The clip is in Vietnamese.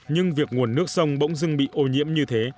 nhưng việc nguồn nước sông bỗng dưng bị ô nhiễm như thế